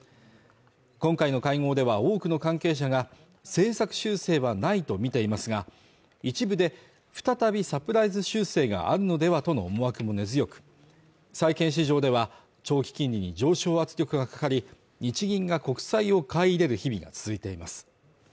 今回の会合では多くの関係者が政策修正はないとみていますが、一部で再びサプライズ修正があるのではとの思惑も根強く、債券市場では長期金利に上昇圧力がかかり、日銀が国債を買い入れる日々が続いています。